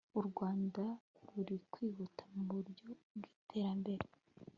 u rwanda ruri kwihuta mu buryo bw'iterambere